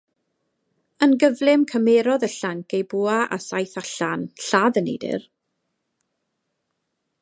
Yn gyflym cymerodd y llanc ei bwa a saeth allan lladd y neidr.